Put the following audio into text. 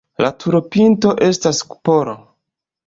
La turopinto estas kupolo.